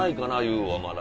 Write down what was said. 佑はまだ。